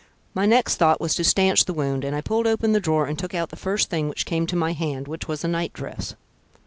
My next thought was to stanch the wound, and I pulled open the drawer and took out the first thing which came to my hand, which was a night dress.